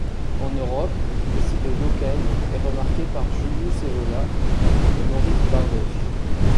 En Europe, l'essai de Yockey est remarqué par Julius Evola et Maurice Bardèche.